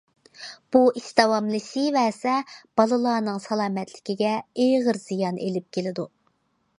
بۇ ئىش داۋاملىشىۋەرسە، بالىلارنىڭ سالامەتلىكىگە ئېغىر زىيان ئېلىپ كېلىدۇ.